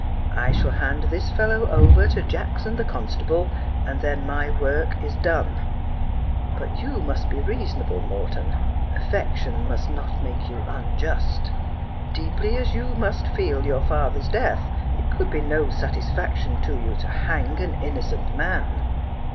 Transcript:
I shall hand this fellow over to Jackson, the constable, and then my work is done. But you must be reasonable, Morton ; affection must not make you unjust. Deeply as you must feel your father's death it could be no satisfaction to you to hang an innocent man.'